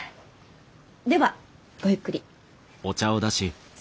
ではごゆっくり。